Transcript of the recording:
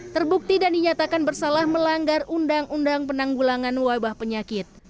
terbukti dan dinyatakan bersalah melanggar undang undang penanggulangan wabah penyakit